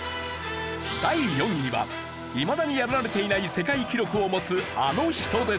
第４位はいまだに破られていない世界記録を持つあの人です。